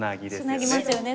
ツナぎますよね